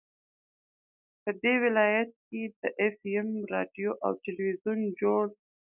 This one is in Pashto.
په دې ولايت كې د اېف اېم راډيو او ټېلوېزون جوړ